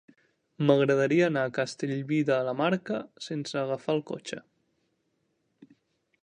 M'agradaria anar a Castellví de la Marca sense agafar el cotxe.